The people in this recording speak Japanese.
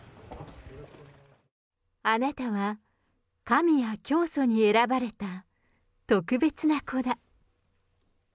あなたは神や教祖に選ばれた特別な子だ。